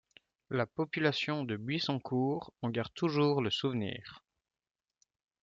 La population de Buissoncourt en garde toujours le souvenir.